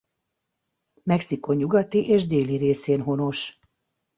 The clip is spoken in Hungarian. Mexikó nyugati és déli részén honos.